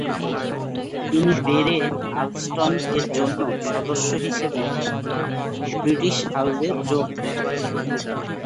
তিনি বেরে আলস্টন এর জন্য সদস্য হিসাবে ব্রিটিশ হাউসে যোগ দেন।